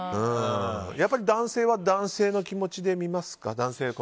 男性は男性の気持ちで見ますか？